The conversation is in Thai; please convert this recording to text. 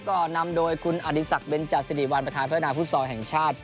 ก็นำโดยคุณอดิสักเบนจาศรีวัลประทานพฤนาภูมิศาลแห่งชาติ